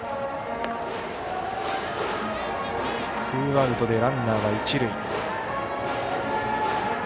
ツーアウトでランナーは一塁。